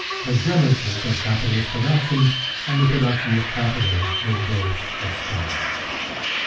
The genesis of capitalist production and the production of capital were both explained.